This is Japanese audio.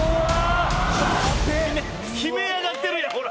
悲鳴上がってるやんほら。